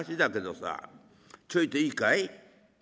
ちょいといいかい。